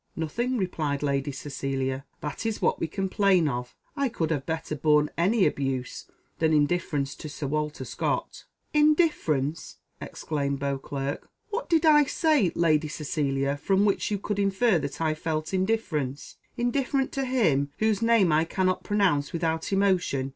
"Nothing." replied Lady Cecilia; "that is what we complain of. I could have better borne any abuse than indifference to Sir Walter Scott." "Indifference!" exclaimed Beauclerc "what did I say Lady Cecilia, from which you could infer that I felt indifference? Indifferent to him whose name I cannot pronounce without emotion!